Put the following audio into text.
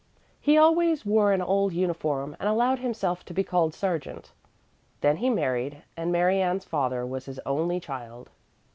He always wore an old uniform and allowed himself to be called sergeant. Then he married and Mary Ann's father was his only child.